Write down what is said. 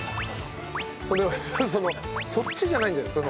それそのそっちじゃないんじゃないですか？